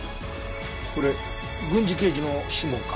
これ郡侍刑事の指紋か？